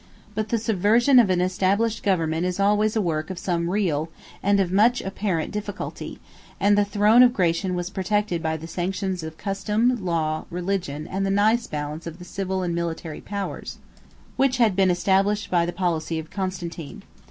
But the subversion of an established government is always a work of some real, and of much apparent, difficulty; and the throne of Gratian was protected by the sanctions of custom, law, religion, and the nice balance of the civil and military powers, which had been established by the policy of Constantine.